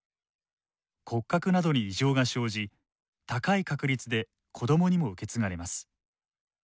骨格などに異常が生じ高い確率で子供にも受け継がれます。